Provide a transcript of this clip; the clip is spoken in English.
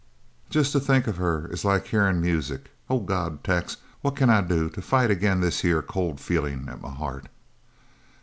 "Jest to think of her is like hearing music. Oh, God, Tex, what c'n I do to fight agin this here cold feelin' at my heart?"